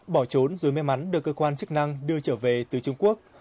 bỏ trốn rồi may mắn được cơ quan chức năng đưa trở về từ trung quốc